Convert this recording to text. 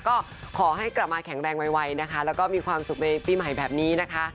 ก็ขอให้กลับมาแข็งแรงไวนะคะแล้วก็มีความสุขในปีใหม่แบบนี้นะคะ